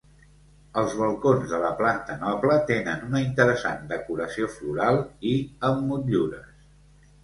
Els balcons de la planta noble tenen una interessant decoració floral i amb motllures.